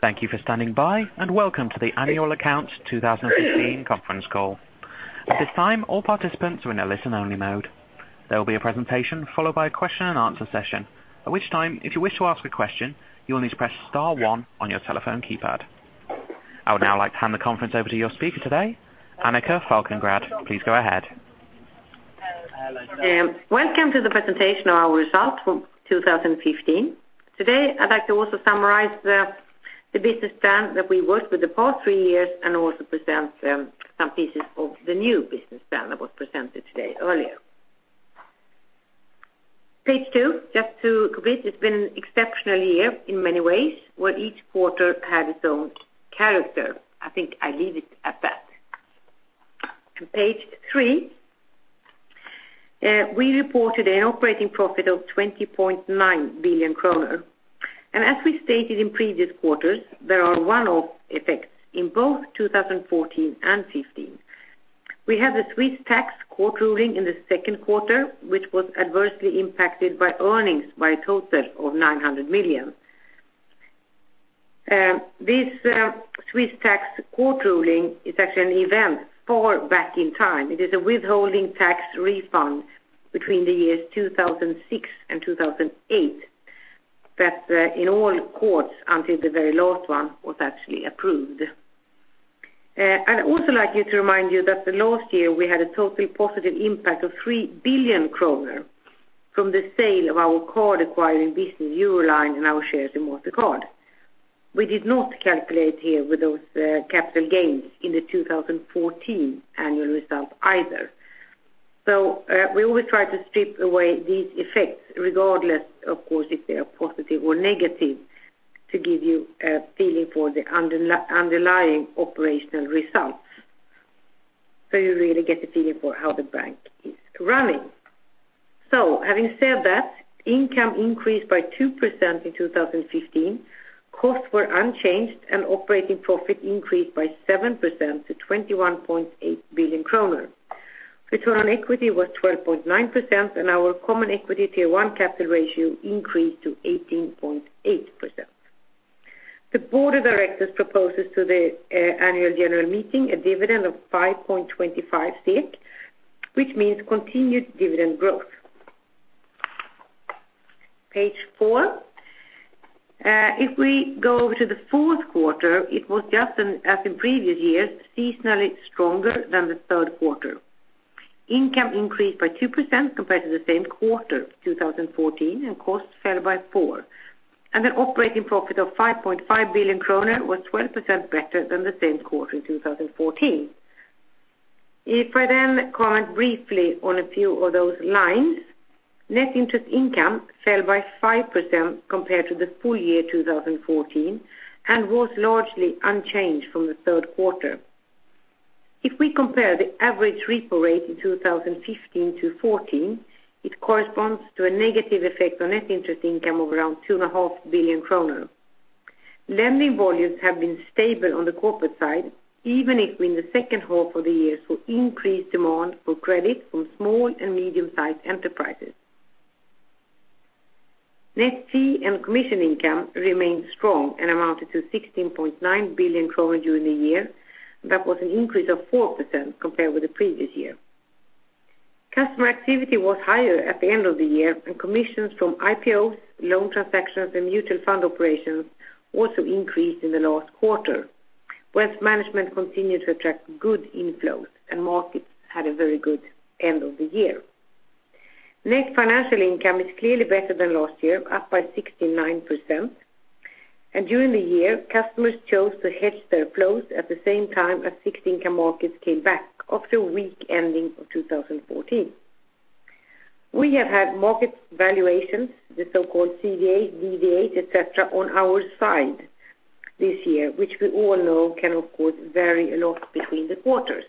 Thank you for standing by, and welcome to the annual accounts 2015 conference call. At this time, all participants are in a listen-only mode. There will be a presentation followed by a question and answer session. At which time, if you wish to ask a question, you will need to press star one on your telephone keypad. I would now like to hand the conference over to your speaker today, Annika Falkengren. Please go ahead. Welcome to the presentation of our results for 2015. Today, I'd like to also summarize the business plan that we worked with the past three years and also present some pieces of the new business plan that was presented today earlier. Page two. Just to complete, it's been an exceptional year in many ways, where each quarter had its own character. I think I leave it at that. To page three. We reported an operating profit of 20.9 billion kronor. As we stated in previous quarters, there are one-off effects in both 2014 and 2015. We had the Swiss tax court ruling in the second quarter, which was adversely impacted by earnings by a total of 900 million. This Swiss tax court ruling is actually an event far back in time. It is a withholding tax refund between the years 2006 and 2008, that in all courts, until the very last one, was actually approved. I'd also like you to remind you that the last year we had a total positive impact of 3 billion kronor from the sale of our card acquiring business, Euroline and our shares in Mastercard. We did not calculate here with those capital gains in the 2014 annual result either. We always try to strip away these effects regardless, of course, if they are positive or negative, to give you a feeling for the underlying operational results. You really get a feeling for how the bank is running. Having said that, income increased by 2% in 2015. Costs were unchanged and operating profit increased by 7% to 21.8 billion kronor. Return on equity was 12.9%, and our Common Equity Tier 1 capital ratio increased to 18.8%. The board of directors proposes to the annual general meeting a dividend of 5.25 SEK, which means continued dividend growth. Page four. If we go over to the fourth quarter, it was just as in previous years, seasonally stronger than the third quarter. Income increased by 2% compared to the same quarter 2014, and costs fell by four. An operating profit of 5.5 billion kronor was 12% better than the same quarter in 2014. If I then comment briefly on a few of those lines, net interest income fell by 5% compared to the full year 2014, and was largely unchanged from the third quarter. If we compare the average repo rate in 2015 to 2014, it corresponds to a negative effect on net interest income of around 2.5 billion kronor. Lending volumes have been stable on the corporate side, even if in the second half of the year saw increased demand for credit from small and medium-sized enterprises. Net fee and commission income remained strong and amounted to 16.9 billion kronor during the year. That was an increase of 4% compared with the previous year. Customer activity was higher at the end of the year, and commissions from IPOs, loan transactions, and mutual fund operations also increased in the last quarter. Wealth management continued to attract good inflows, and markets had a very good end of the year. Net financial income is clearly better than last year, up by 69%. During the year, customers chose to hedge their flows at the same time as fixed income markets came back after a weak ending of 2014. We have had market valuations, the so-called CVA, DVA, et cetera, on our side this year, which we all know can, of course, vary a lot between the quarters.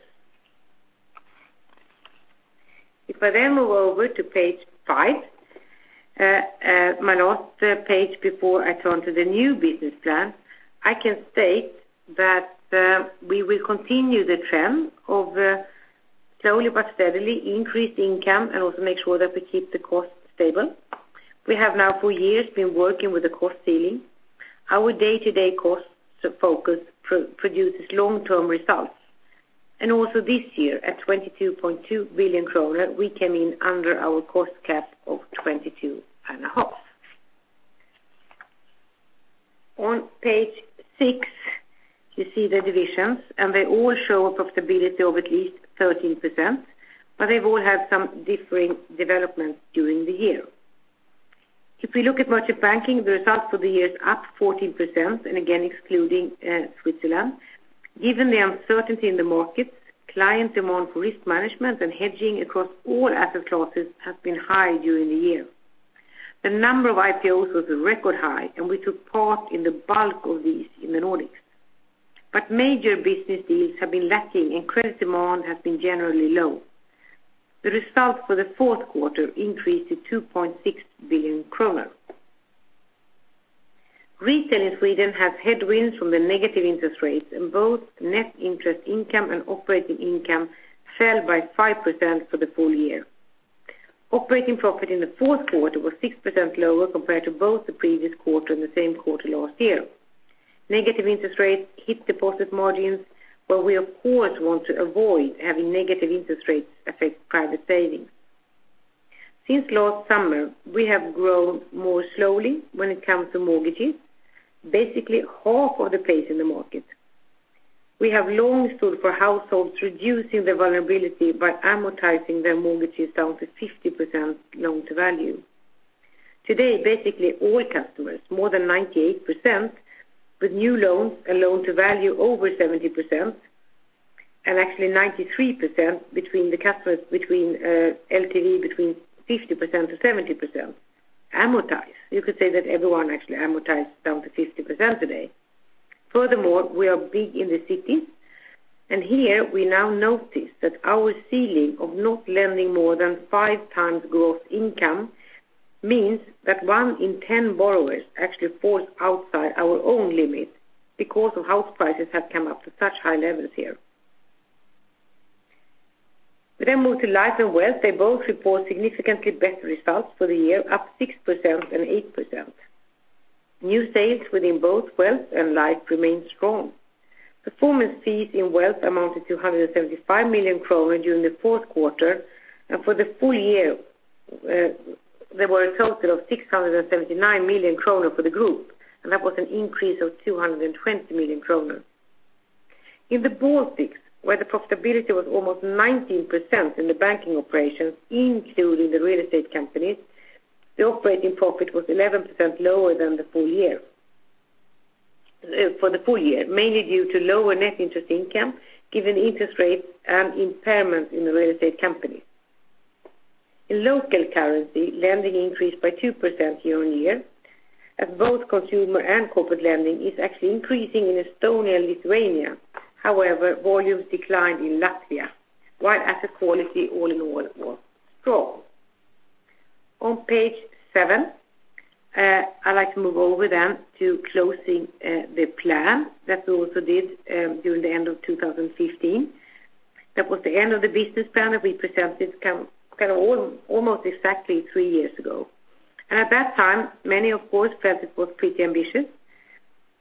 If I then move over to page five, my last page before I turn to the new business plan, I can state that we will continue the trend of slowly but steadily increasing income and also make sure that we keep the costs stable. We have now for years been working with a cost ceiling. Our day-to-day cost focus produces long-term results. Also this year, at 22.2 billion kronor, we came in under our cost cap of 22 and a half billion. On page six, you see the divisions, and they all show a profitability of at least 13%, but they've all had some differing developments during the year. If we look at Merchant Banking, the result for the year is up 14%, and again, excluding Switzerland. Given the uncertainty in the markets, client demand for risk management and hedging across all asset classes has been high during the year. The number of IPOs was a record high, and we took part in the bulk of these in the Nordics. Major business deals have been lacking, and credit demand has been generally low. The result for the fourth quarter increased to 2.6 billion kronor. Retail in Sweden has headwinds from the negative interest rates, and both net interest income and operating income fell by 5% for the full year. Operating profit in the fourth quarter was 6% lower compared to both the previous quarter and the same quarter last year. Negative interest rates hit deposit margins, we, of course, want to avoid having negative interest rates affect private savings. Since last summer, we have grown more slowly when it comes to mortgages, basically half of the pace in the market. We have long stood for households reducing their vulnerability by amortizing their mortgages down to 50% loan to value. Today, basically all customers, more than 98%, with new loans and loan to value over 70%, and actually 93% between LTV between 50%-70%, amortize. You could say that everyone actually amortizes down to 50% today. Furthermore, we are big in the cities, and here we now notice that our ceiling of not lending more than 5x gross income means that one in 10 borrowers actually falls outside our own limit because of house prices have come up to such high levels here. Move to Life and Wealth. They both report significantly better results for the year, up 6% and 8%. New sales within both Wealth and Life remain strong. Performance fees in Wealth amounted to 175 million kronor during the fourth quarter. For the full year, there were a total of 679 million kronor for the group, and that was an increase of 220 million kronor. In the Baltics, where the profitability was almost 19% in the banking operations, including the real estate companies, the operating profit was 11% lower than the full year. For the full year, mainly due to lower net interest income given interest rates and impairment in the real estate companies. In local currency, lending increased by 2% year-on-year. Both consumer and corporate lending is actually increasing in Estonia and Lithuania. However, volumes declined in Latvia, while asset quality all in all was strong. On page seven, I'd like to move over to closing the plan that we also did during the end of 2015. That was the end of the business plan that we presented almost exactly three years ago. At that time, many, of course, felt it was pretty ambitious.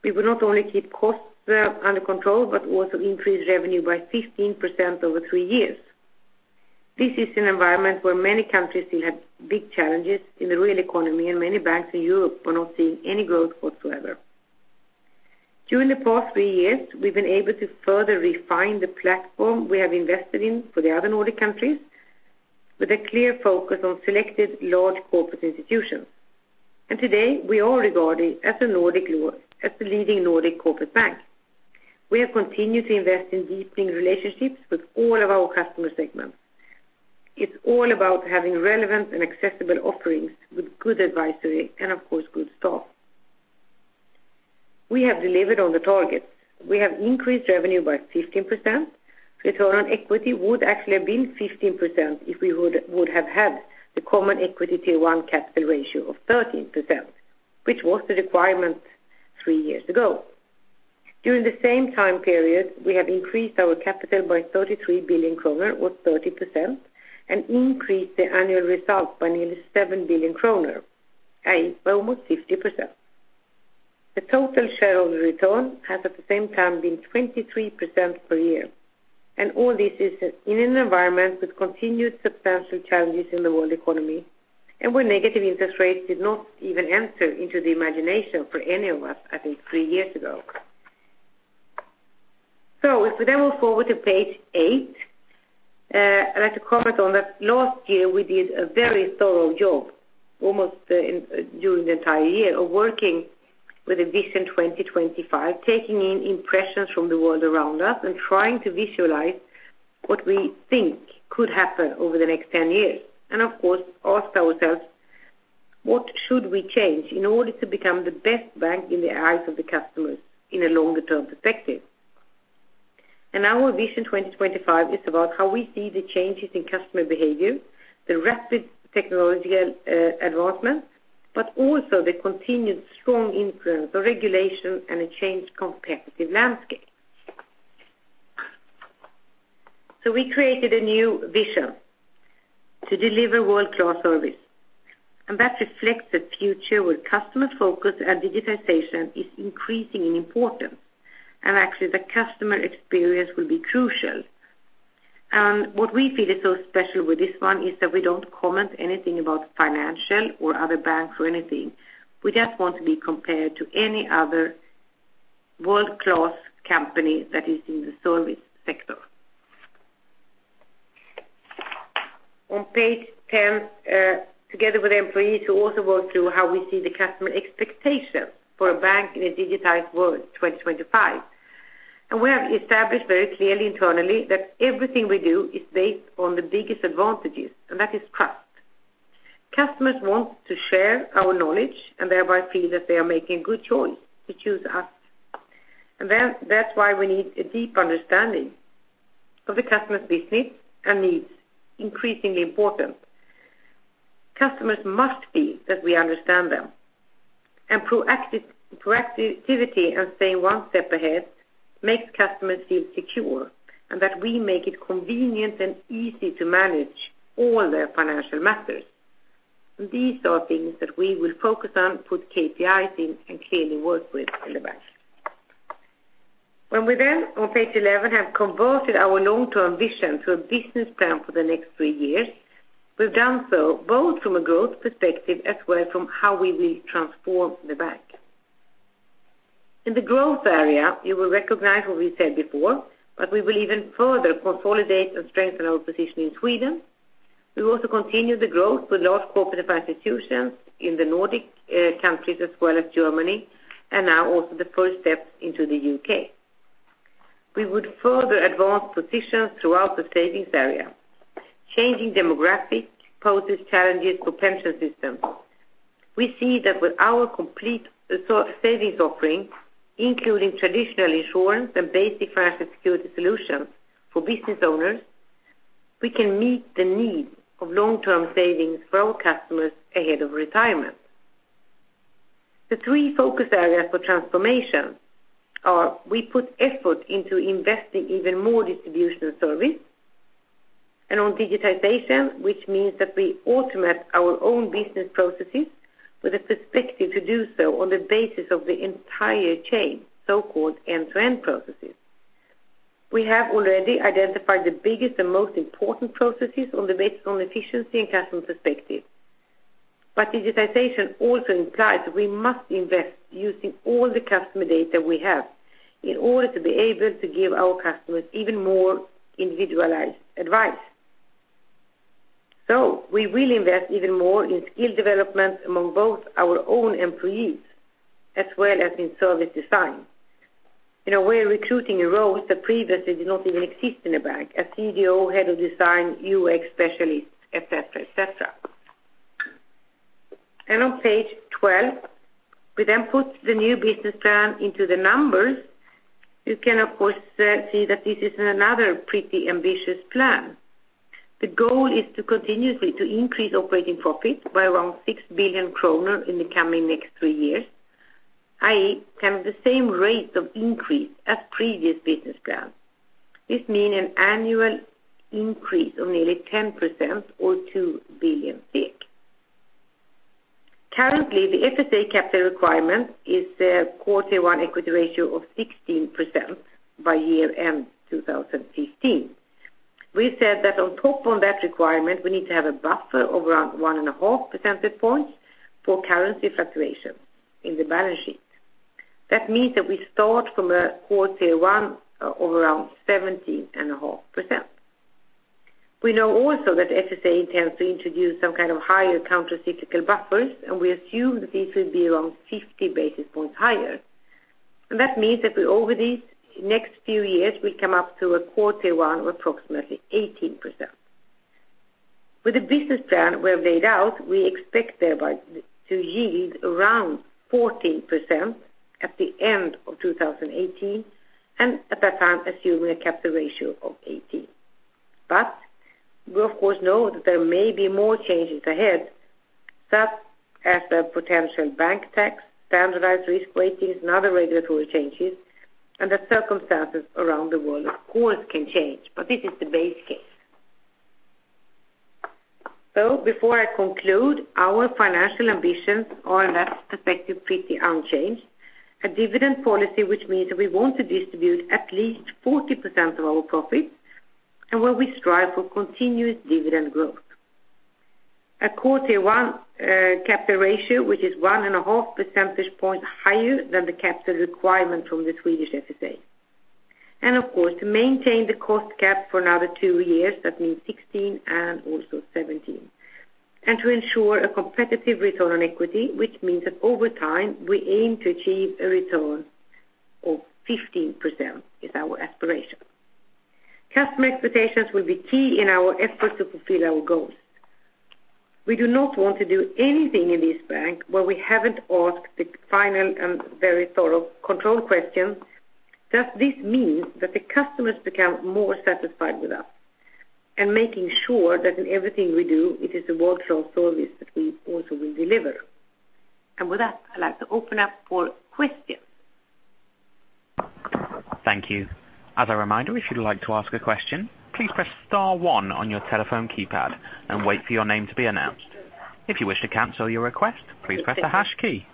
We would not only keep costs under control but also increase revenue by 15% over three years. This is an environment where many countries still had big challenges in the real economy, and many banks in Europe were not seeing any growth whatsoever. During the past three years, we've been able to further refine the platform we have invested in for the other Nordic countries with a clear focus on selected large corporate institutions. Today, we are regarded as the leading Nordic corporate bank. We have continued to invest in deepening relationships with all of our customer segments. It's all about having relevant and accessible offerings with good advisory and, of course, good staff. We have delivered on the targets. We have increased revenue by 15%. Return on equity would actually have been 15% if we would have had the Common Equity Tier 1 capital ratio of 13%, which was the requirement three years ago. During the same time period, we have increased our capital by 33 billion kronor or 30% and increased the annual result by nearly 7 billion kronor, i.e., by almost 50%. The total shareholder return has at the same time been 23% per year. All this is in an environment with continued substantial challenges in the world economy and where negative interest rates did not even enter into the imagination for any of us, I think, three years ago. If we move forward to page eight, I'd like to comment on that last year we did a very thorough job almost during the entire year of working with a Vision 2025, taking in impressions from the world around us and trying to visualize what we think could happen over the next 10 years. Of course, ask ourselves what should we change in order to become the best bank in the eyes of the customers in a longer term perspective. Our Vision 2025 is about how we see the changes in customer behavior, the rapid technological advancement, but also the continued strong influence of regulation and a changed competitive landscape. We created a new vision to deliver world-class service, and that reflects a future where customer focus and digitization is increasing in importance, and actually the customer experience will be crucial. What we feel is so special with this one is that we don't comment anything about financial or other banks or anything. We just want to be compared to any other world-class company that is in the service sector. On page 10, together with the employees who also worked through how we see the customer expectation for a bank in a digitized world, 2025. We have established very clearly internally that everything we do is based on the biggest advantages, and that is trust. Customers want to share our knowledge and thereby feel that they are making a good choice to choose us. That is why we need a deep understanding of the customer's business and needs increasingly important. Customers must feel that we understand them. Proactivity and staying one step ahead makes customers feel secure, and that we make it convenient and easy to manage all their financial matters. These are things that we will focus on, put KPIs in, and clearly work with in the bank. When we then, on page 11, have converted our long-term vision to a business plan for the next three years, we have done so both from a growth perspective as well as from how we will transform the bank. In the growth area, you will recognize what we said before, but we will even further consolidate and strengthen our position in Sweden. We will also continue the growth with large corporate institutions in the Nordic countries as well as Germany, and now also the first step into the U.K. We would further advance positions throughout the savings area. Changing demographics poses challenges to pension systems. We see that with our complete savings offering, including traditional insurance and basic financial security solutions for business owners, we can meet the needs of long-term savings for our customers ahead of retirement. The three focus areas for transformation are we put effort into investing even more distribution service and on digitization, which means that we automate our own business processes with a perspective to do so on the basis of the entire chain, so-called end-to-end processes. We have already identified the biggest and most important processes on the basis of efficiency and customer perspective. Digitization also implies we must invest using all the customer data we have in order to be able to give our customers even more individualized advice. We will invest even more in skill development among both our own employees as well as in service design. We are recruiting roles that previously did not even exist in a bank, a CDO, head of design, UX specialist, et cetera. On page 12, we then put the new business plan into the numbers. You can, of course, see that this is another pretty ambitious plan. The goal is to continuously increase operating profits by around 6 billion kronor in the coming next three years. I have the same rate of increase as previous business plans. This means an annual increase of nearly 10% or 2 billion. Currently, the FSA capital requirement is a CET1 equity ratio of 16% by year-end 2015. We said that on top of that requirement, we need to have a buffer of around one and a half percentage points for currency fluctuation in the balance sheet. That means that we start from a core Tier 1 of around 17.5%. We know also that FSA intends to introduce some kind of higher countercyclical buffers, we assume that this will be around 50 basis points higher. That means that over these next few years, we come up to a core Tier 1 of approximately 18%. With the business plan we have laid out, we expect thereby to yield around 14% at the end of 2018, and at that time, assuming a capital ratio of 18%. We of course know that there may be more changes ahead such as the potential bank tax, standardized risk weightings, and other regulatory changes, and the circumstances around the world, of course, can change. This is the base case. Before I conclude, our financial ambitions are in that perspective pretty unchanged. A dividend policy which means that we want to distribute at least 40% of our profits and where we strive for continuous dividend growth. A Q1 capital ratio, which is 1.5 percentage point higher than the capital requirement from the Swedish FSA. Of course, to maintain the cost cap for another two years, that means 2016 and also 2017. To ensure a competitive return on equity, which means that over time, we aim to achieve a return of 15%, is our aspiration. Customer expectations will be key in our effort to fulfill our goals. We do not want to do anything in this bank where we haven't asked the final and very thorough control question. Does this mean that the customers become more satisfied with us? Making sure that in everything we do, it is a world-class service that we also will deliver. With that, I'd like to open up for questions. Thank you. As a reminder, if you'd like to ask a question, please press star one on your telephone keypad and wait for your name to be announced. If you wish to cancel your request, please press the hash key.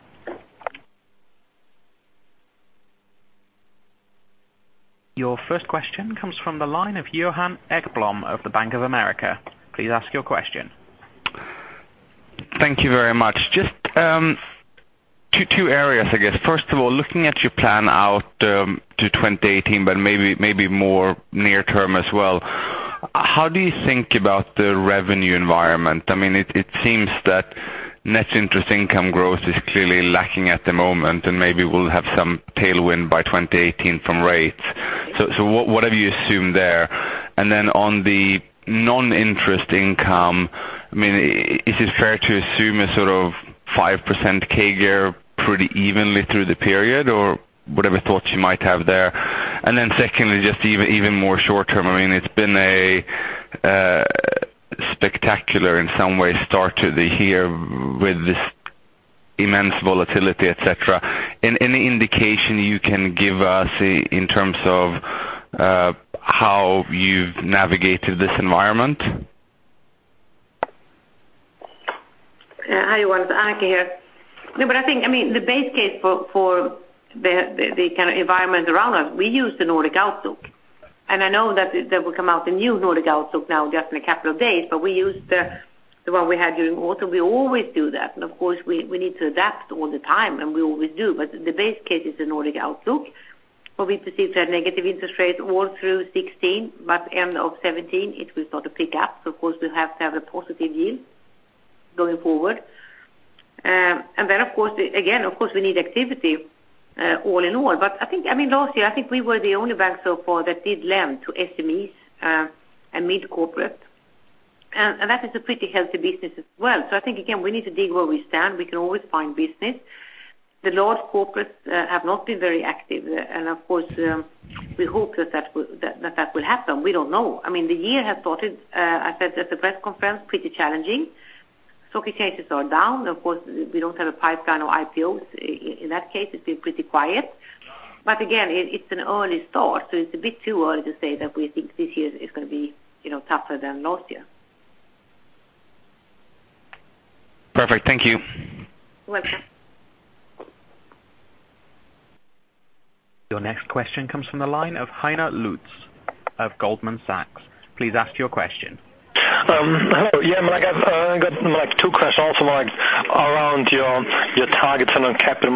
Your first question comes from the line of Johan Ekblom of The Bank of America. Please ask your question. Thank you very much. Just two areas, I guess. First of all, looking at your plan out to 2018, but maybe more near term as well, how do you think about the revenue environment? It seems that net interest income growth is clearly lacking at the moment, and maybe we'll have some tailwind by 2018 from rates. What have you assumed there? On the non-interest income, is it fair to assume a sort of 5% CAGR pretty evenly through the period or whatever thoughts you might have there? Secondly, just even more short term, it's been a spectacular in some way start to the year with this immense volatility, et cetera. Any indication you can give us in terms of how you've navigated this environment? Hi, everyone. It's Annika here. I think, the base case for the environment around us, we use the Nordic Outlook. I know that there will come out a new Nordic Outlook now just in a couple of days, but we use the one we had during autumn. We always do that, of course, we need to adapt all the time, and we always do. The base case is the Nordic Outlook, where we perceive to have negative interest rates all through 2016, but end of 2017 it will start to pick up. Of course, we have to have a positive yield going forward. Again, of course we need activity all in all. I think, last year, I think we were the only bank so far that did lend to SMEs and mid-corporate. That is a pretty healthy business as well. I think, again, we need to dig where we stand. We can always find business. The large corporates have not been very active, of course, we hope that that will happen. We don't know. The year has started, I said at the press conference, pretty challenging. Stock exchanges are down. Of course, we don't have a pipeline of IPOs. In that case, it's been pretty quiet. Again, it's an early start, it's a bit too early to say that we think this year is going to be tougher than last year. Perfect. Thank you. You're welcome. Your next question comes from the line of Heiner Luz of Goldman Sachs. Please ask your question. Hello. I've got two questions also, around your targets and on capital.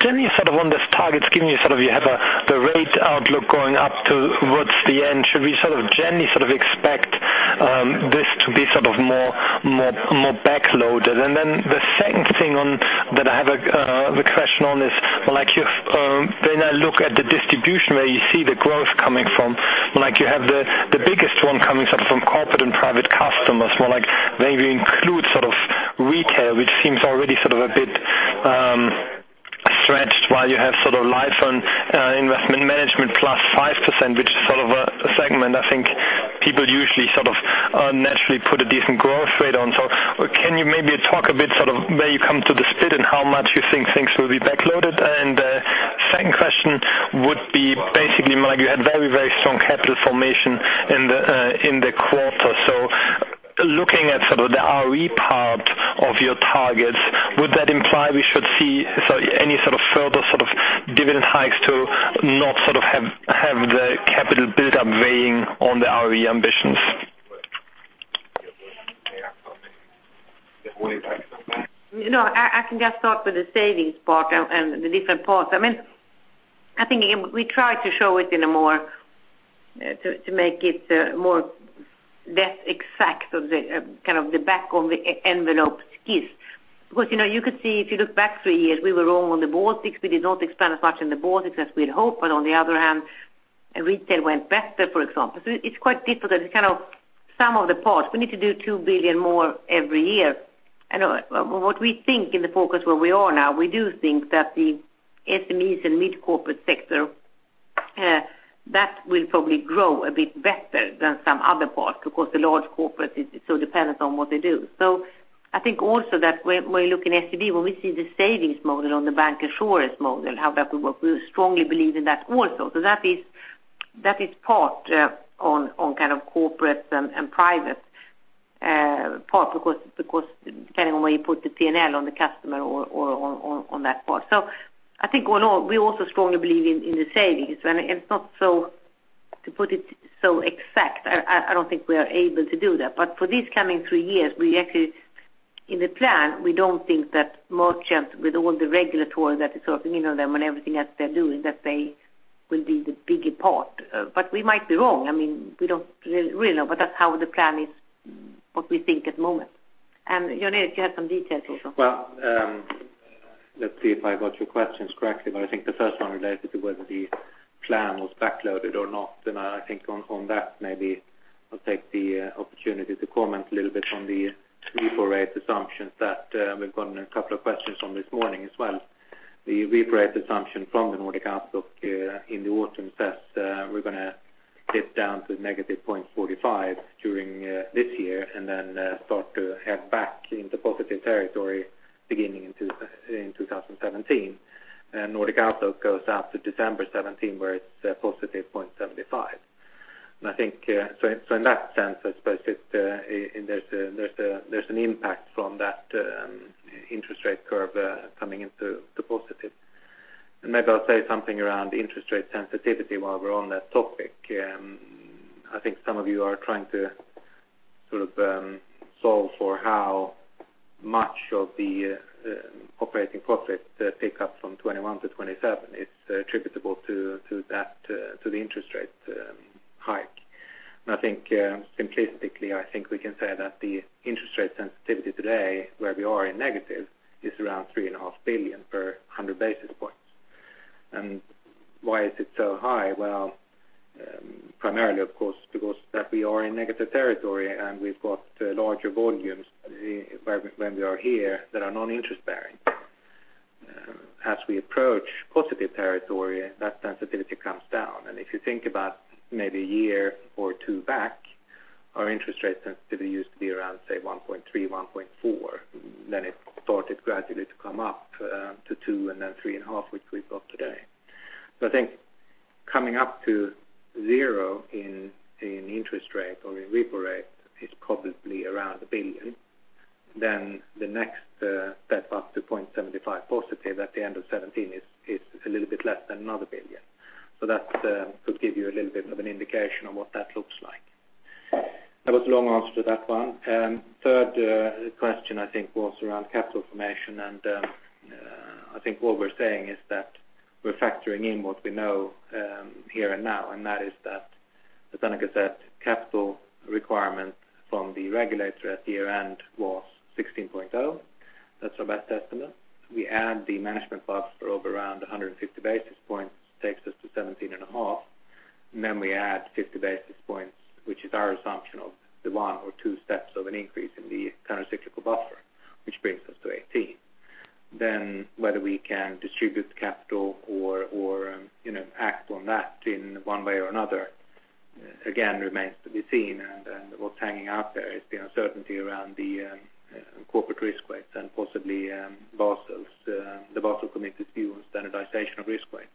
Generally, on these targets, you have the rate outlook going up towards the end. Should we generally expect this to be more backloaded? The second thing that I have a question on is, when I look at the distribution, where you see the growth coming from, you have the biggest one coming from Corporate & Private Customers. More like maybe include Retail, which seems already a bit stretched while you have Life on investment management +5%, which is a segment, I think people usually naturally put a decent growth rate on. Can you maybe talk a bit where you come to the split and how much you think things will be backloaded? The second question would be basically, you had very strong capital formation in the quarter. Looking at the ROE part of your targets, would that imply we should see any further dividend hikes to not have the capital buildup weighing on the ROE ambitions? I can just start with the savings part and the different parts. I think, again, we try to show it, to make it more exact of the back of the envelope gist. You could see if you look back three years, we were wrong on the Baltics. We did not expand as much in the Baltics as we had hoped, but on the other hand, Retail went better, for example. It's quite difficult. It's sum of the parts. We need to do 2 billion more every year. I know what we think in the forecast where we are now, we do think that the SMEs and mid-corporate sector, that will probably grow a bit better than some other parts because the large corporate, it still depends on what they do. I think also that when you look in SEB, when we see the savings model on the bank insurers model, how that will work, we strongly believe in that also. That is part on corporates and private part because depending on where you put the P&L on the customer or on that part. I think all in all, we also strongly believe in the savings. It's not so, to put it so exact, I don't think we are able to do that. For these coming three years, we actually, in the plan, we don't think that merchants with all the regulatory that is sort of hanging on them and everything else they're doing, that they will be the bigger part. We might be wrong. We don't really know, but that's how the plan is, what we think at the moment. Jonas, you have some details also. Let's see if I got your questions correctly. I think the first one related to whether the plan was backloaded or not. I think on that maybe I'll take the opportunity to comment a little bit on the reforecasted assumptions that we've gotten a couple of questions on this morning as well. The reforecasted assumption from the Nordic Outlook in the autumn says we're going to dip down to negative 0.45% during this year and then start to head back into positive territory beginning in 2017. Nordic Outlook goes out to December 2017, where it's positive 0.75%. I think so in that sense, I suppose there's an impact from that interest rate curve coming into the positive. Maybe I'll say something around interest rate sensitivity while we're on that topic. I think some of you are trying to solve for how much of the operating profit pick up from 21 billio to 27 billion is attributable to the interest rate hike. I think simplistically, I think we can say that the interest rate sensitivity today, where we are in negative, is around 3.5 billion per 100 basis points. Why is it so high? Primarily, of course, because that we are in negative territory, and we've got larger volumes when we are here that are non-interest bearing. As we approach positive territory, that sensitivity comes down. If you think about maybe a year or two back, our interest rate sensitivity used to be around, say, 1.3 billion, 1.4 billion. Then it started gradually to come up to 2 billion and then 3.5 billion, which we've got today. I think coming up to zero in interest rate or in repo rate is probably around 1 billion. Then the next step up to 0.75% positive at the end of 2017 is a little bit less than another 1 billion. That could give you a little bit of an indication on what that looks like. That was a long answer to that one. Third question, I think, was around capital formation, and I think what we're saying is that we're factoring in what we know here and now, and that is that, as Annika said, capital requirement from the regulator at year-end was 16.0%. That's our best estimate. We add the management buffer of around 150 basis points, takes us to 17.5%. We add 50 basis points, which is our assumption of the one or two steps of an increase in the countercyclical buffer, which brings us to 18%. Then, whether we can distribute the capital or act on that in one way or another, again, remains to be seen, and what's hanging out there is the uncertainty around the corporate risk weights and possibly the Basel Committee's view on standardization of risk weights.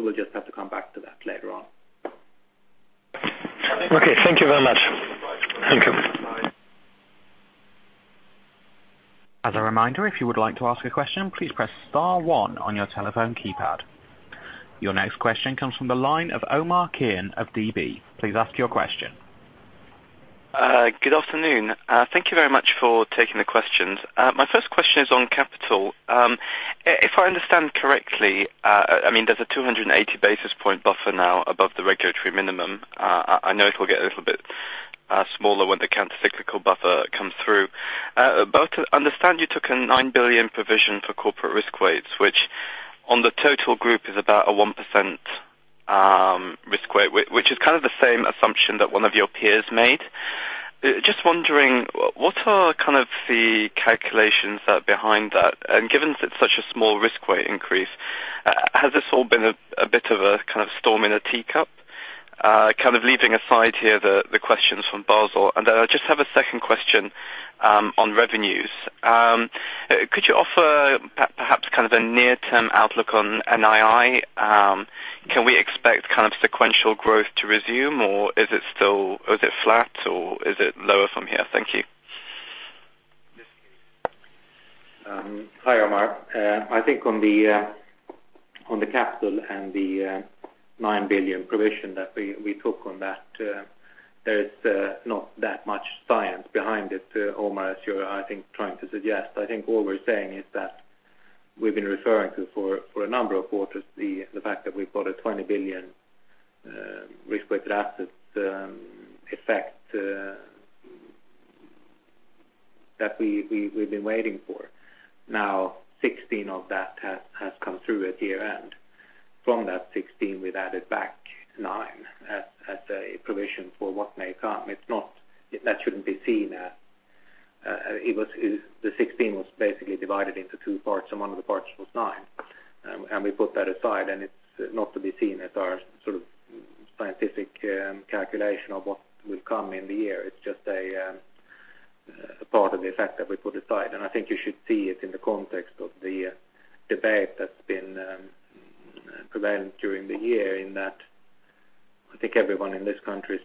We'll just have to come back to that later on. Okay, thank you very much. Thank you. As a reminder, if you would like to ask a question, please press star one on your telephone keypad. Your next question comes from the line of Omar Keenan of DB. Please ask your question. Good afternoon. Thank you very much for taking the questions. My first question is on capital. If I understand correctly, there's a 280 basis point buffer now above the regulatory minimum. I know it'll get a little bit smaller when the countercyclical buffer comes through. I understand you took a nine billion provision for corporate risk weights, which on the total group is about a 1% risk weight, which is the same assumption that one of your peers made. Just wondering, what are the calculations behind that? Given it's such a small risk weight increase, has this all been a bit of a storm in a teacup? Leaving aside here the questions from Basel. I just have a second question on revenues. Could you offer perhaps a near-term outlook on NII? Can we expect sequential growth to resume, or is it flat, or is it lower from here? Thank you. Hi, Omar. I think on the capital and the 9 billion provision that we took on that, there's not that much science behind it, Omar, as you're, I think, trying to suggest. What we're saying is that we've been referring to for a number of quarters the fact that we've got a 20 billion risk-weighted assets effect that we've been waiting for. Now, 16 of that has come through at year-end. From that 16, we've added back nine as a provision for what may come. The 16 was basically divided into two parts, and one of the parts was nine. We put that aside, and it's not to be seen as our scientific calculation of what will come in the year. It's just a part of the effect that we put aside. I think you should see it in the context of the debate that's been prevalent during the year in that I think everyone in this country,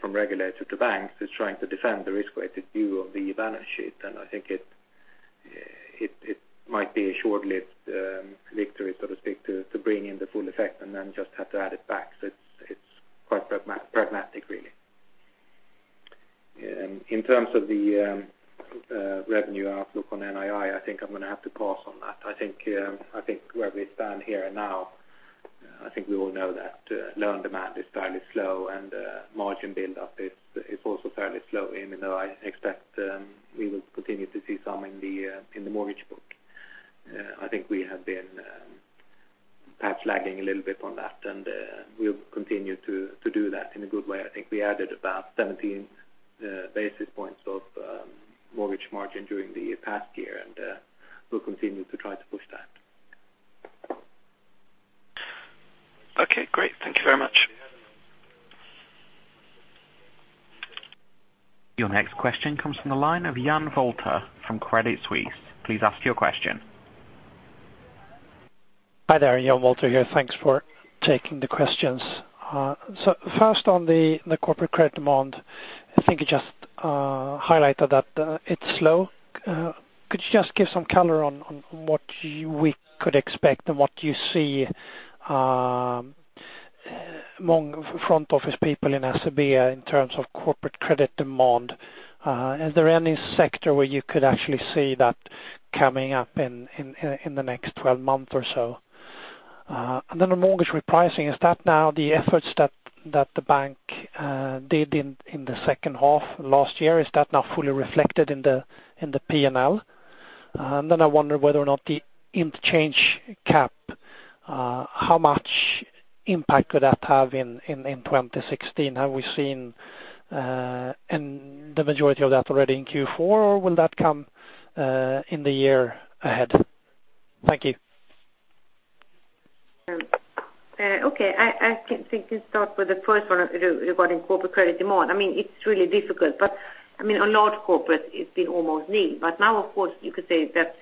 from regulators to banks, is trying to defend the risk-weighted view of the balance sheet. I think it might be a short-lived victory, so to speak, to bring in the full effect and then just have to add it back. It's quite pragmatic, really. In terms of the revenue outlook on NII, I think I'm going to have to pass on that. I think where we stand here now, I think we all know that loan demand is fairly slow, and margin build-up is also fairly slow, even though I expect we will continue to see some in the mortgage book. I think we have been perhaps lagging a little bit on that, and we'll continue to do that in a good way. I think we added about 17 basis points of mortgage margin during the past year, and we'll continue to try to push that. Okay, great. Thank you very much. Your next question comes from the line of Jan Wolter from Credit Suisse. Please ask your question. Hi there. Jan Wolter here. Thanks for taking the questions. First on the corporate credit demand. I think you just highlighted that it's slow. Could you just give some color on what we could expect and what you see among front office people in SEB in terms of corporate credit demand? Is there any sector where you could actually see that coming up in the next 12 months or so? Then the mortgage repricing, is that now the efforts that the bank did in the second half last year, is that now fully reflected in the P&L? I wonder whether or not the interchange cap. How much impact could that have in 2016? Have we seen the majority of that already in Q4, or will that come in the year ahead? Thank you. Okay. I think to start with the first one regarding corporate credit demand. It's really difficult. A large corporate, it's been almost nil. Now, of course, you could say that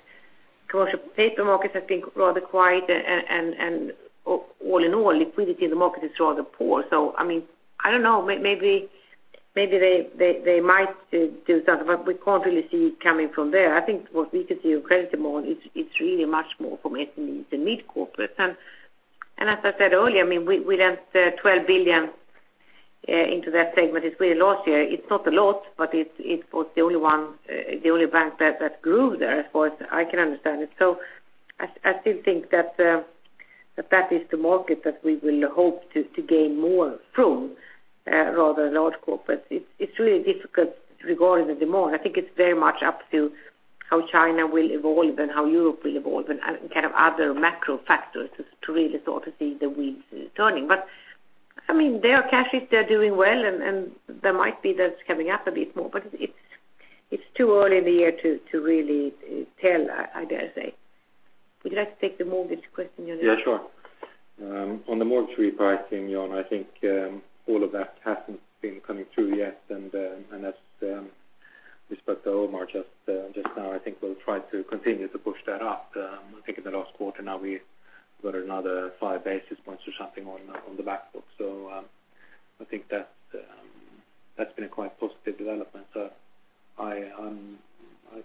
commercial paper markets have been rather quiet, and all in all, liquidity in the market is rather poor. I don't know. Maybe they might do something, but we can't really see it coming from there. I think what we could see with credit demand, it's really much more from SMEs than mid-corporates. As I said earlier, we lent 12 billion into that segment this very last year. It's not a lot, but it's, of course, the only bank that grew there. Of course, I can understand it. I still think that is the market that we will hope to gain more from rather than large corporates. It's really difficult regarding the demand. I think it's very much up to how China will evolve and how Europe will evolve and other macro factors to really start to see the wheels turning. They are cash rich, they are doing well, and there might be that's coming up a bit more, but it's too early in the year to really tell, I dare say. Would you like to take the mortgage question, Jonas? Yeah, sure. On the mortgage repricing, Jan, I think all of that hasn't been coming through yet. As we spoke to Omar just now, I think we'll try to continue to push that up. I think in the last quarter now we've got another five basis points or something on the back book. I think that's been a quite positive development.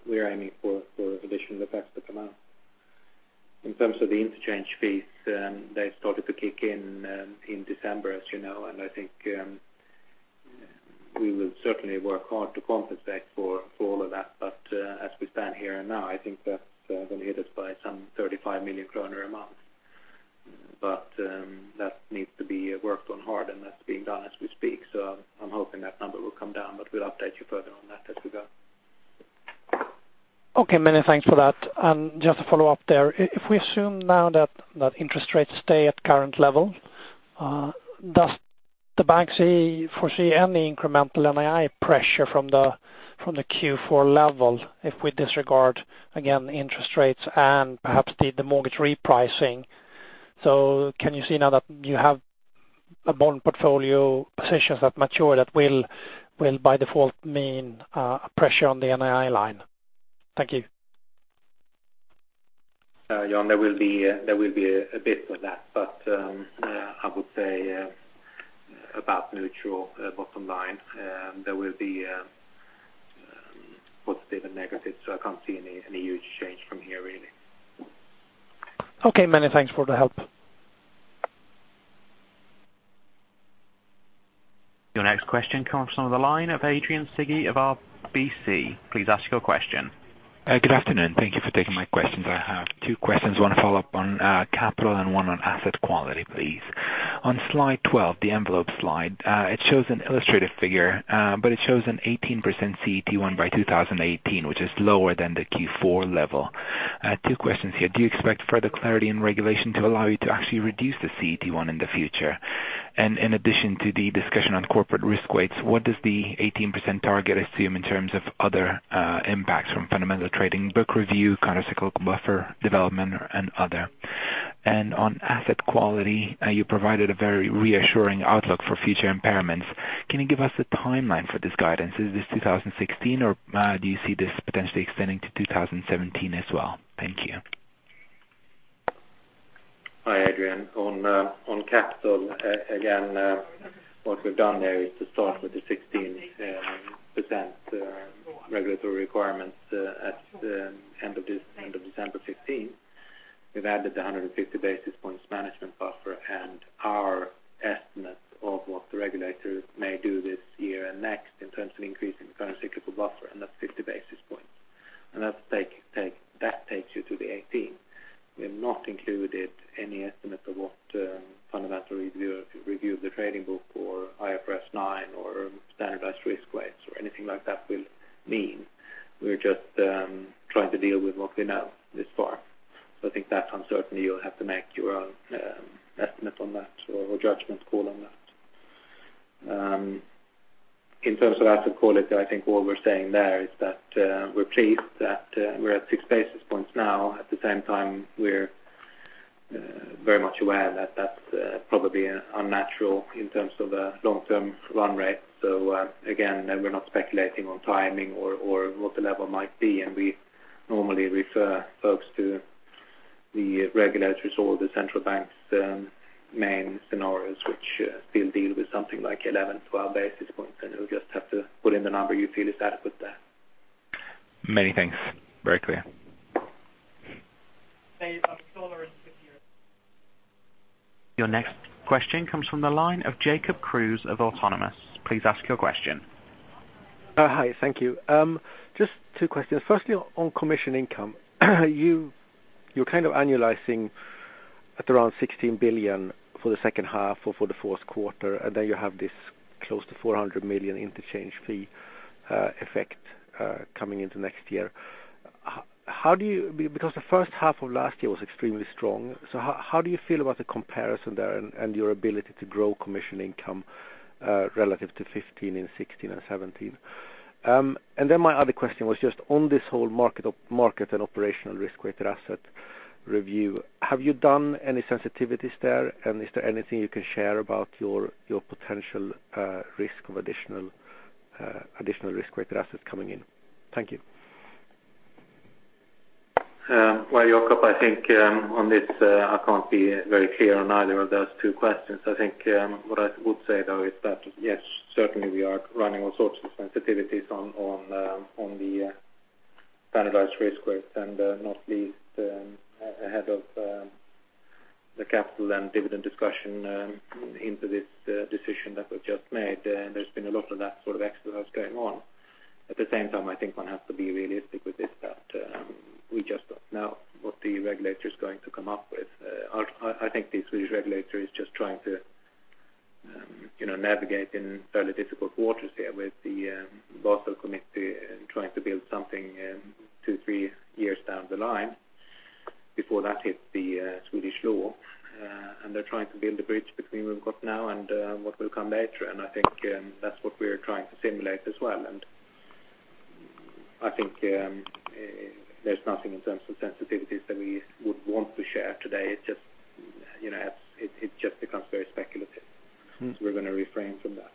We're aiming for additional effects to come out. In terms of the interchange fees, they started to kick in December, as you know, and I think we will certainly work hard to compensate for all of that. As we stand here now, I think that's going to hit us by some 35 million kronor a month. That needs to be worked on hard, and that's being done as we speak. I'm hoping that number will come down, but we'll update you further on that as we go. Okay, many thanks for that. Just to follow up there, if we assume now that interest rates stay at current level, does the bank foresee any incremental NII pressure from the Q4 level if we disregard, again, interest rates and perhaps the mortgage repricing? Can you see now that you have a bond portfolio positions that mature that will by default mean pressure on the NII line? Thank you. John, there will be a bit of that. I would say about neutral bottom line. There will be positives and negatives, so I can't see any huge change from here really. Okay, many thanks for the help. Your next question comes from the line of Adrian Cighi of RBC. Please ask your question. Good afternoon. Thank you for taking my questions. I have two questions. One follow-up on capital and one on asset quality, please. On slide 12, the envelope slide, it shows an illustrative figure, but it shows an 18% CET1 by 2018, which is lower than the Q4 level. Two questions here. Do you expect further clarity and regulation to allow you to actually reduce the CET1 in the future? In addition to the discussion on corporate risk weights, what does the 18% target assume in terms of other impacts from Fundamental Review of the Trading Book, countercyclical buffer development and other? On asset quality, you provided a very reassuring outlook for future impairments. Can you give us a timeline for this guidance? Is this 2016, or do you see this potentially extending to 2017 as well? Thank you. Hi, Adrian. On capital, again, what we've done there is to start with the 16% regulatory requirements at the end of December 2015. We've added the 150 basis points management buffer and our estimate of what the regulators may do this year and next in terms of increasing the countercyclical buffer, and that's 50 basis points. That takes you to the 18%. We have not included any estimate of what Fundamental Review of the Trading Book or IFRS 9 or standardized risk weights or anything like that will mean. We're just trying to deal with what we know thus far. I think that uncertainty, you'll have to make your own estimate on that or judgment call on that. In terms of asset quality, I think what we're saying there is that we're pleased that we're at six basis points now. At the same time, we are very much aware that is probably unnatural in terms of a long-term run rate. Again, we are not speculating on timing or what the level might be, and we normally refer folks to the regulatory or the central bank's main scenarios, which still deal with something like 11, 12 basis points, and you will just have to put in the number you feel is adequate there. Many thanks. Very clear. Your next question comes from the line of Jacob Kruse of Autonomous. Please ask your question. Hi, thank you. Just two questions. Firstly, on commission income. You are annualizing at around 16 billion for the second half or for the fourth quarter, and then you have this close to 400 million interchange fee effect coming into next year. The first half of last year was extremely strong, so how do you feel about the comparison there and your ability to grow commission income relative to 2015 and 2016 and 2017? My other question was just on this whole market and operational risk-weighted asset review. Have you done any sensitivities there, and is there anything you can share about your potential risk of additional risk-weighted assets coming in? Thank you. Well, Jacob, I think on this, I can't be very clear on either of those two questions. I think what I would say, though, is that yes, certainly we are running all sorts of sensitivities on the standardized risk weights and not least ahead of the capital and dividend discussion into this decision that was just made. There's been a lot of that sort of exercise going on. At the same time, I think one has to be realistic with this, that we just don't know what the regulator is going to come up with. I think the Swedish regulator is just trying to navigate in fairly difficult waters here with the Basel Committee trying to build something two, three years down the line before that hits the Swedish law. They're trying to build a bridge between what we've got now and what will come later, and I think that's what we're trying to simulate as well. I think there's nothing in terms of sensitivities that we would want to share today. It just becomes very speculative. We're going to refrain from that.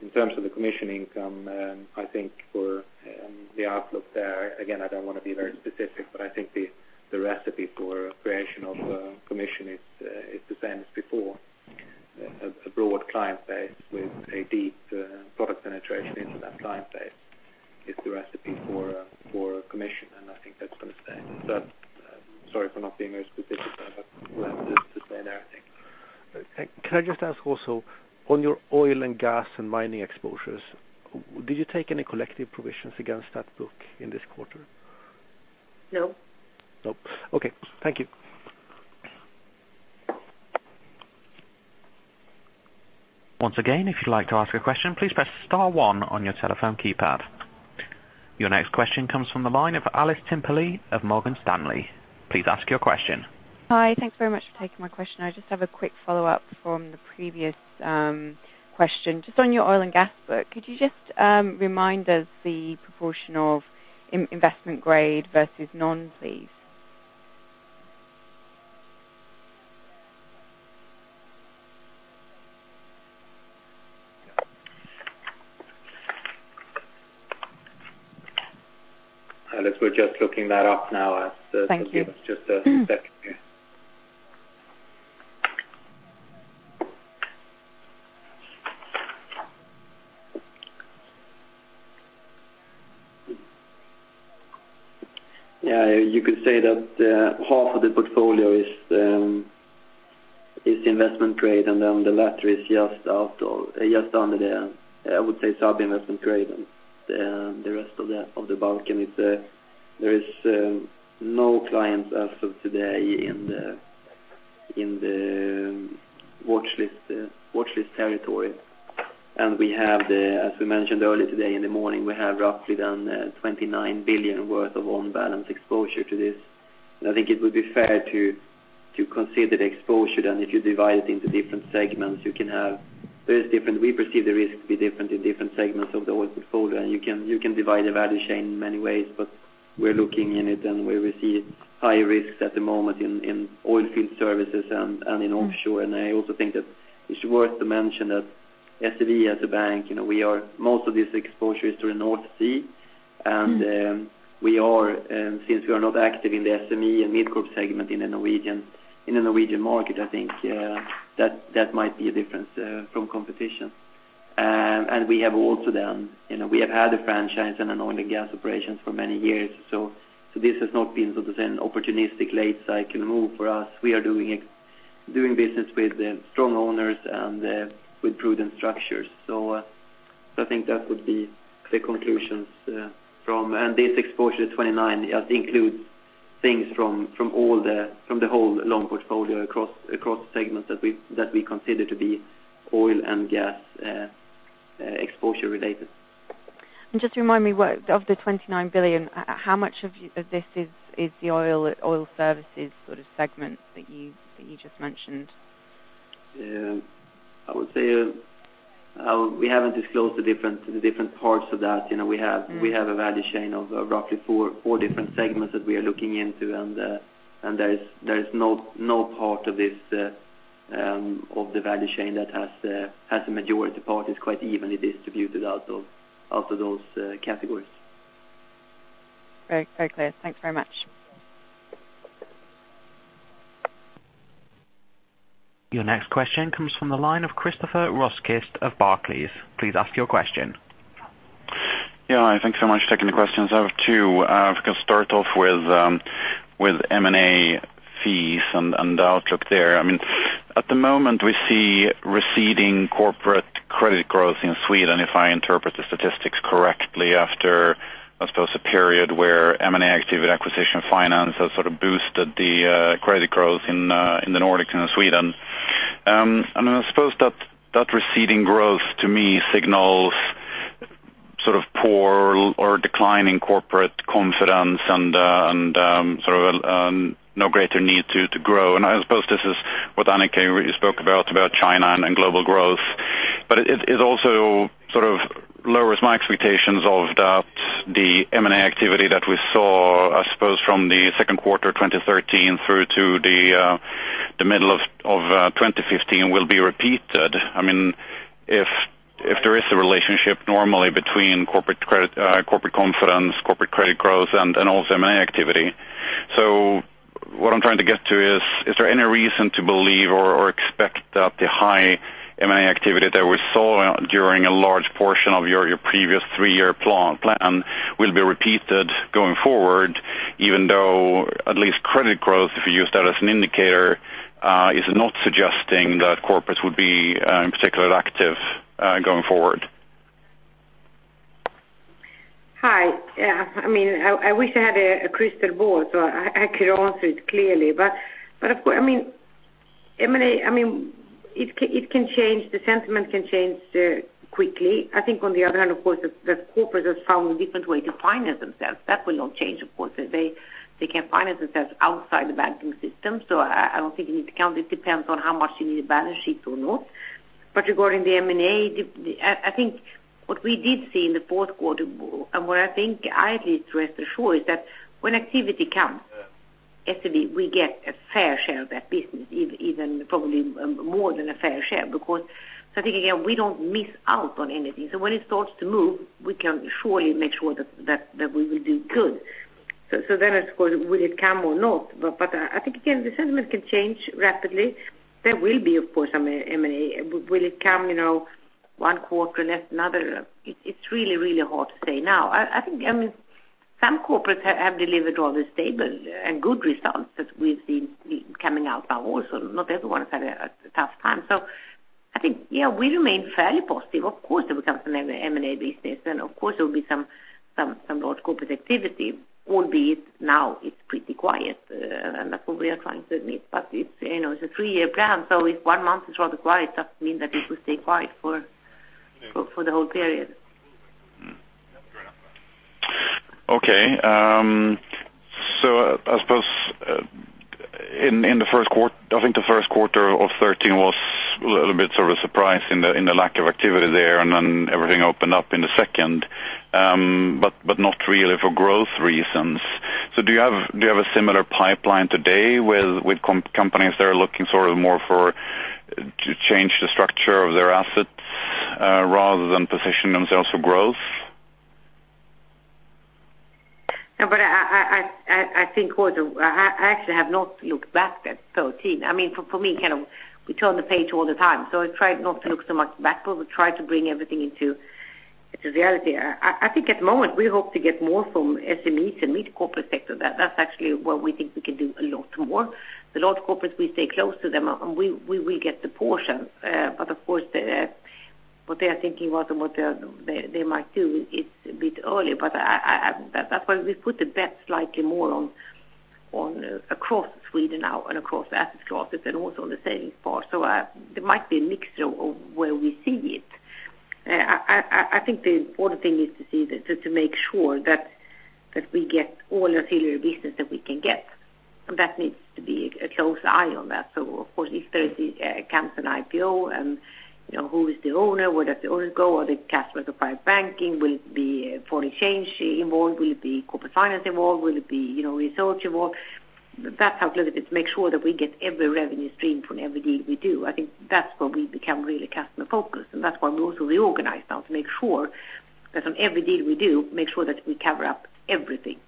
In terms of the commission income, I think for the outlook there, again, I don't want to be very specific, but I think the recipe for creation of commission is the same as before. A broad client base with a deep product penetration into that client base is the recipe for commission, and I think that's going to stay. Sorry for not being very specific, but we'll have to stay there, I think. Can I just ask also, on your oil and gas and mining exposures, did you take any collective provisions against that book in this quarter? No. No. Okay. Thank you. Once again, if you'd like to ask a question, please press *1 on your telephone keypad. Your next question comes from the line of Alice Timperley of Morgan Stanley. Please ask your question. Hi. Thanks very much for taking my question. I just have a quick follow-up from the previous question. Just on your oil and gas book, could you just remind us the proportion of investment grade versus non, please? Alice, we're just looking that up now. Thank you. Give us just a second here. Yeah, you could say that half of the portfolio is investment grade. The latter is just under the, I would say, sub-investment grade. The rest of the bulk, there is no client as of today in the watchlist territory. As we mentioned earlier today in the morning, we have roughly done 29 billion worth of on-balance exposure to this. I think it would be fair to consider the exposure, then if you divide it into different segments, we perceive the risk to be different in different segments of the whole portfolio, and you can divide the value chain in many ways. We're looking in it, and we see high risks at the moment in oil field services and in offshore. I also think that it's worth to mention that SEB as a bank, most of this exposure is to the North Sea. Since we are not active in the SME and mid-corp segment in the Norwegian market, I think that might be a difference from competition. We have also then, we have had a franchise and an oil and gas operations for many years, so this has not been sort of an opportunistic late cycle move for us. We are doing business with strong owners and with prudent structures. I think that would be the conclusions from. This exposure to 29 billion includes things from the whole loan portfolio across segments that we consider to be oil and gas exposure related. Just remind me, of the 29 billion, how much of this is the oil services segment that you just mentioned? I would say we haven't disclosed the different parts of that. We have a value chain of roughly four different segments that we are looking into, and there is no part of the value chain that has a majority part. It's quite evenly distributed out of those categories. Very clear. Thanks very much. Your next question comes from the line of Christoffer Rosquist of Barclays. Please ask your question. Yeah. Thanks so much for taking the questions. I have two. If I could start off with M&A fees and the outlook there. At the moment, we see receding corporate credit growth in Sweden, if I interpret the statistics correctly after, I suppose, a period where M&A activity and acquisition finance has sort of boosted the credit growth in the Nordics and in Sweden. I suppose that receding growth to me signals poor or declining corporate confidence and no greater need to grow. I suppose this is what Annika spoke about China and global growth. It also sort of lowers my expectations of the M&A activity that we saw, I suppose from the second quarter 2013 through to the middle of 2015 will be repeated. If there is a relationship normally between corporate confidence, corporate credit growth, and also M&A activity. What I'm trying to get to is there any reason to believe or expect that the high M&A activity that we saw during a large portion of your previous three-year plan will be repeated going forward, even though at least credit growth, if you use that as an indicator, is not suggesting that corporates would be particularly active going forward? Hi. I wish I had a crystal ball so I could answer it clearly. M&A, it can change, the sentiment can change quickly. I think on the other hand, of course, the corporate has found a different way to finance themselves. That will not change, of course. They can finance themselves outside the banking system. I don't think you need to count. It depends on how much you need a balance sheet or not. Regarding the M&A, I think what we did see in the fourth quarter, and what I think I at least rest assured is that when activity comes- Yeah SEB we get a fair share of that business, even probably more than a fair share because I think, again, we don't miss out on anything. When it starts to move, we can surely make sure that we will do good. Of course, will it come or not? I think, again, the sentiment can change rapidly. There will be, of course, some M&A. Will it come one quarter, less another? It's really hard to say now. Some corporates have delivered rather stable and good results as we've seen coming out now also. Not everyone has had a tough time. I think, yeah, we remain fairly positive. Of course, there will come some M&A business and of course there will be some large corporate activity, albeit now it's pretty quiet. That's what we are trying to admit. It's a three-year plan, so if one month is rather quiet, doesn't mean that it will stay quiet for the whole period. Fair enough. Okay. I suppose, I think the first quarter of 2013 was a little bit of a surprise in the lack of activity there, and then everything opened up in the second. Not really for growth reasons. Do you have a similar pipeline today with companies that are looking more to change the structure of their assets rather than position themselves for growth? No, I think also I actually have not looked back at 2013. For me, we turn the page all the time, so I try not to look so much back, but we try to bring everything into reality. I think at the moment, we hope to get more from SMEs and mid corporate sector. That's actually where we think we can do a lot more. The large corporates, we stay close to them, and we will get the portion. Of course, what they are thinking about and what they might do, it's a bit early, but that's why we put the bets likely more across Sweden now and across asset classes, and also on the savings part. There might be a mixture of where we see it. I think the important thing is to make sure that we get all the ancillary business that we can get. That needs to be a close eye on that. Of course, if there comes an IPO and who is the owner? Where does the owners go? Are the cash flow to private banking? Will it be foreign exchange involved? Will it be corporate finance involved? Will it be research involved? That's how close it is to make sure that we get every revenue stream from every deal we do. I think that's where we become really customer-focused, and that's why we also reorganize now to make sure that on every deal we do, make sure that we cover up everything.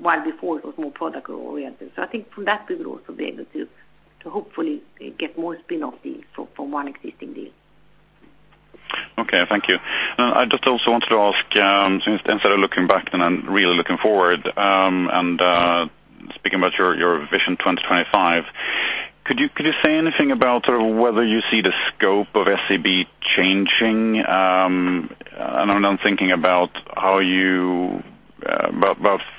While before it was more product-oriented. I think from that we will also be able to hopefully get more spin-off deals from one existing deal. Okay, thank you. I just also wanted to ask since instead of looking back then and really looking forward, speaking about your Vision 2025. Could you say anything about whether you see the scope of SEB changing? I'm thinking about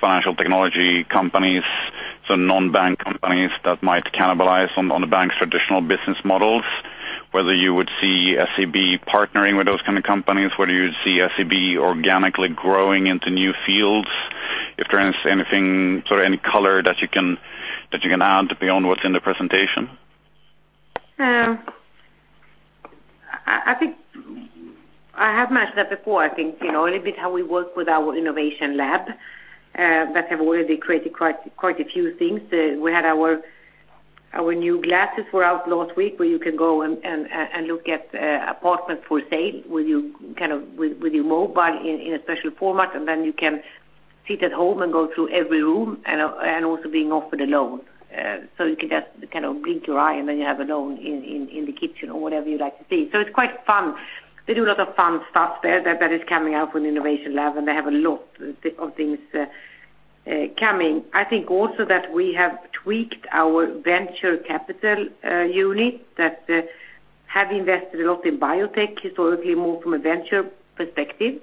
financial technology companies, so non-bank companies that might cannibalize on the bank's traditional business models, whether you would see SEB partnering with those kind of companies, whether you would see SEB organically growing into new fields. If there is any color that you can add beyond what's in the presentation? I have mentioned that before. I think a little bit how we work with our innovation lab, that have already created quite a few things. We had our new glasses were out last week where you can go and look at apartments for sale with your mobile in a special format. Then you can sit at home and go through every room and also being offered a loan. You can just blink your eye and then you have a loan in the kitchen or whatever you like to see. It's quite fun. They do a lot of fun stuff there that is coming out from innovation lab, They have a lot of things coming. I think also that we have tweaked our venture capital unit that Have invested a lot in biotech historically more from a venture perspective,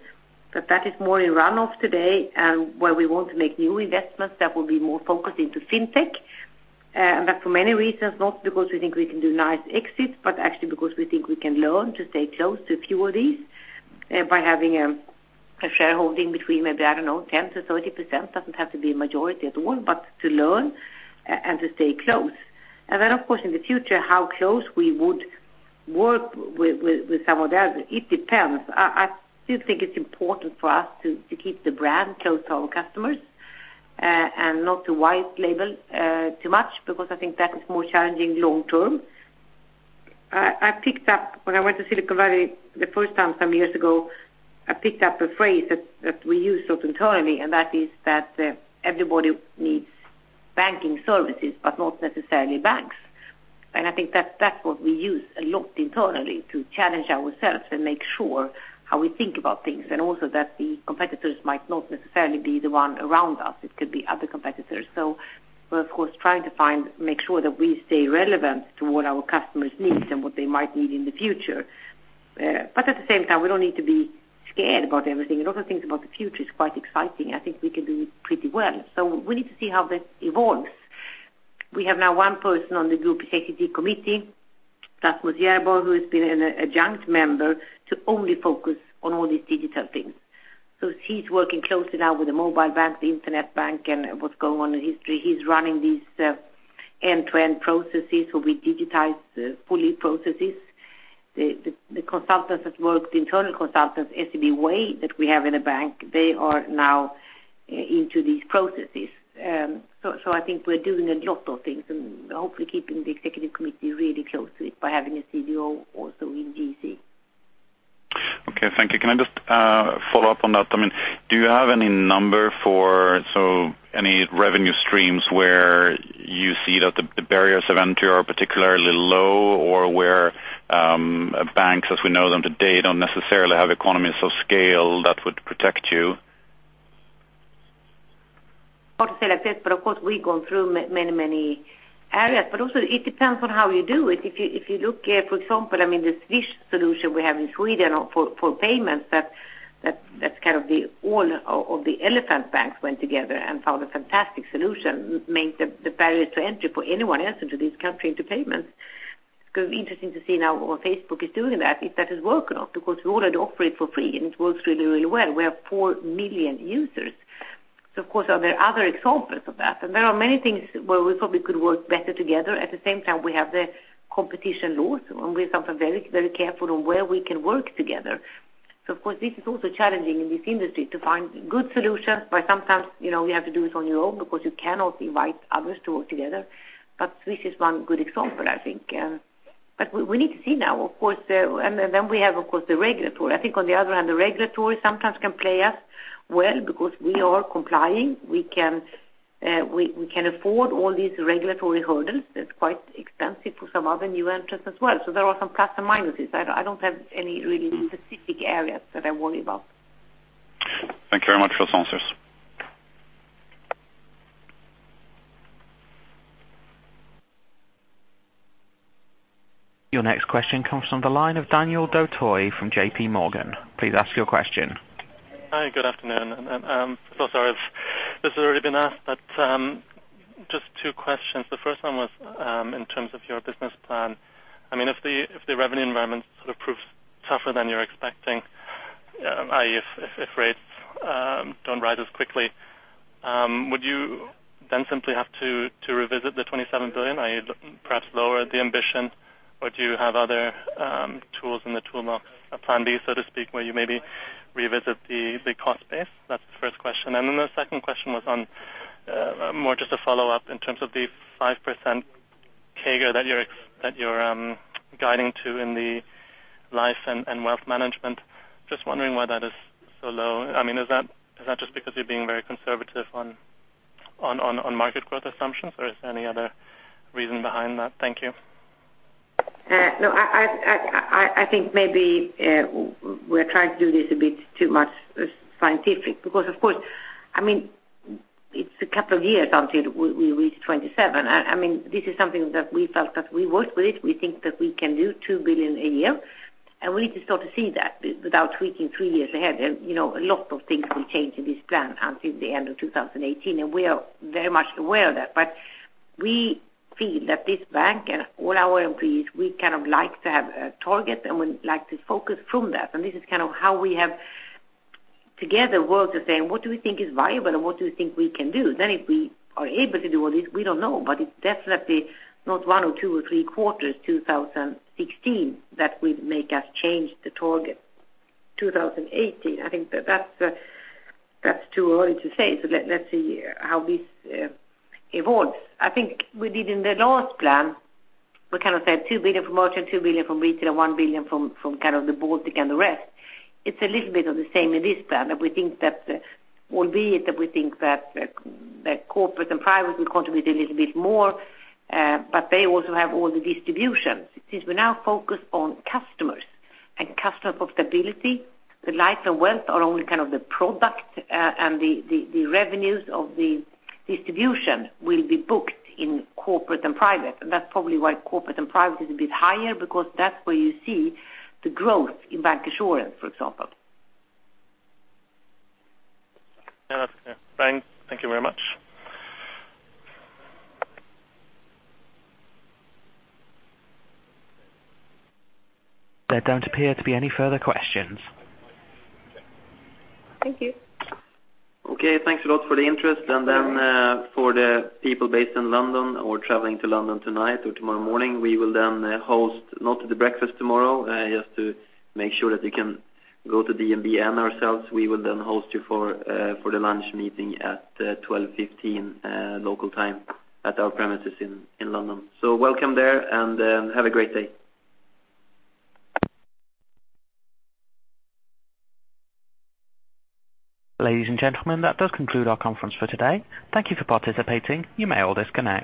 but that is more in run-off today and where we want to make new investments that will be more focused into fintech. For many reasons, not because we think we can do nice exits, but actually because we think we can learn to stay close to a few of these by having a shareholding between maybe, I don't know, 10%-30%, doesn't have to be a majority at all, but to learn and to stay close. Then of course, in the future, how close we would work with some of them, it depends. I still think it's important for us to keep the brand close to our customers, not to white label too much, because I think that is more challenging long term. I picked up when I went to Silicon Valley the first time some years ago, I picked up a phrase that we use internally, That is that everybody needs banking services, but not necessarily banks. I think that's what we use a lot internally to challenge ourselves and make sure how we think about things Also that the competitors might not necessarily be the one around us. It could be other competitors. We're, of course, trying to make sure that we stay relevant to what our customers need and what they might need in the future. At the same time, we don't need to be scared about everything. A lot of things about the future is quite exciting. I think we can do pretty well. We need to see how this evolves. We have now one person on the Group Executive Committee, Klas Morstedt, who has been an adjunct member to only focus on all these digital things. He's working closely now with the mobile bank, the internet bank, and what's going on in history. He's running these end-to-end processes where we digitize fully processes. The consultants that work, the internal consultants, SEB Way, that we have in the bank, they are now into these processes. I think we're doing a lot of things and hopefully keeping the Group Executive Committee really close to it by having a CDO also in GEC. Okay, thank you. Can I just follow up on that? Do you have any number for any revenue streams where you see that the barriers of entry are particularly low or where banks, as we know them today, don't necessarily have economies of scale that would protect you? Of course we've gone through many areas, but also it depends on how you do it. If you look here, for example, the Swish solution we have in Sweden for payments, all of the elephant banks went together and found a fantastic solution, made the barriers to entry for anyone else into this country into payments. It's going to be interesting to see now what Facebook is doing in that, if that has worked or not, because we already offer it for free and it works really well. We have 4 million users. Of course, are there other examples of that? There are many things where we probably could work better together. At the same time, we have the competition laws, and we're sometimes very careful on where we can work together. Of course, this is also challenging in this industry to find good solutions, but sometimes you have to do it on your own because you cannot invite others to work together. Swish is one good example, I think. We need to see now, of course. We have, of course, the regulatory. I think on the other hand, the regulatory sometimes can play us well because we are complying. We can afford all these regulatory hurdles. It's quite expensive for some other new entrants as well. There are some plus and minuses. I don't have any really specific areas that I worry about. Thank you very much for those answers. Your next question comes from the line of Daniel Pinto from JPMorgan. Please ask your question. Hi, good afternoon, so sorry if this has already been asked, but just two questions. The first one was in terms of your business plan. If the revenue environment sort of proves tougher than you're expecting, i.e., if rates don't rise as quickly, would you then simply have to revisit the 27 billion? Perhaps lower the ambition? Do you have other tools in the toolbox, a plan B, so to speak, where you maybe revisit the cost base? That's the first question. Then the second question was on more just a follow-up in terms of the 5% CAGR that you're guiding to in the Life and Wealth Management. Just wondering why that is so low. Is that just because you're being very conservative on market growth assumptions, or is there any other reason behind that? Thank you. I think maybe we're trying to do this a bit too much scientific because, of course, it's a couple of years until we reach 27 billion. This is something that we felt that we worked with. We think that we can do 2 billion a year, and we need to start to see that without tweaking three years ahead. A lot of things will change in this plan until the end of 2018, and we are very much aware of that. We feel that this bank and all our employees, we like to have a target, and we like to focus from that. This is how we have together worked to say, what do we think is viable and what do we think we can do? If we are able to do all this, we don't know, but it's definitely not one or two or three quarters 2016 that will make us change the target. 2018. I think that's too early to say. Let's see how this evolves. We did in the last plan, we said 2 billion from Merchant, 2 billion from Retail, 1 billion from the Baltic and the rest. It's a little bit of the same in this plan that we think that albeit that we think that Corporate and Private will contribute a little bit more, but they also have all the distributions. Since we now focus on customers and customers of stability, the Life and Wealth are only the product and the revenues of the distribution will be booked in Corporate and Private. That's probably why Corporate and Private is a bit higher, because that's where you see the growth in bank assurance, for example. Thank you very much. There don't appear to be any further questions. Thank you. Okay, thanks a lot for the interest. For the people based in London or traveling to London tonight or tomorrow morning, we will then host not the breakfast tomorrow, just to make sure that you can go to DNB and ourselves. We will host you for the lunch meeting at 12:15 local time at our premises in London. Welcome there, and have a great day. Ladies and gentlemen, that does conclude our conference for today. Thank you for participating. You may all disconnect.